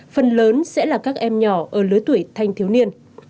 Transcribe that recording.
phần lớn sẽ là các em nhỏ ở lứa tuổi thanh thiếu niên